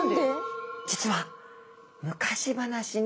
実は昔話に。